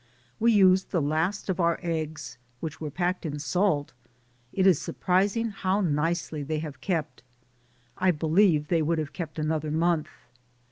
We used the last of our eggs, which were packed in salt; it is surprising how nicely they have kept. I believe they would have kept another month.